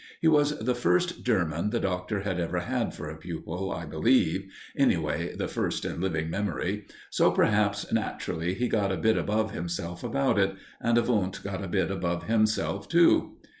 He was the first German the Doctor had ever had for a pupil, I believe anyway, the first in living memory so, perhaps, naturally he got a bit above himself about it; and Wundt got a bit above himself, too.